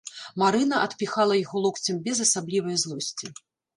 Марына адпіхала яго локцем без асаблівае злосці.